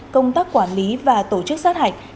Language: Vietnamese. công tác quản lý và tổ chức sát hạch